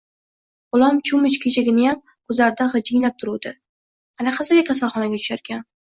– G‘ulom-cho‘mich kechaginayam guzarda gijinglab turuvdi, qanaqasiga kasalxonaga tusharkan?